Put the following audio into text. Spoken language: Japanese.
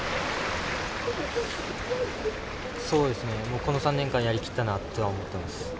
この３年間やりきったなとは思っています。